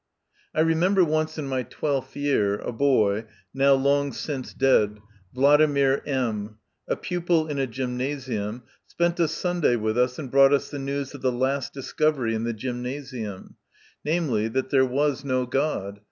^ I remember once in my twelfth year, a boy, now long since dead, Vladimir M , a pupil in a gymnasium, spent a Sunday with us, and brought us the news of the last discovery in the gymnasium namely, that there was no God, A 2 MY CONFESSION.